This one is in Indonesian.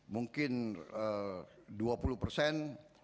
mungkin dua puluh persen